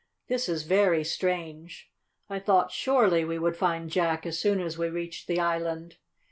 "This is very strange. I thought surely we would find Jack as soon as we reached the island.